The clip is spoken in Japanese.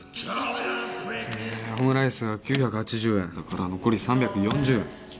オムライスが９８０円だから残り３４０円